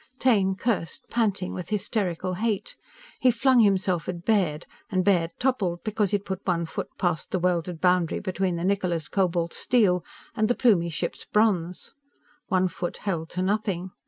Taine cursed, panting with hysterical hate. He flung himself at Baird, and Baird toppled because he'd put one foot past the welded boundary between the Niccola's cobalt steel and the Plumie ship's bronze. One foot held to nothing.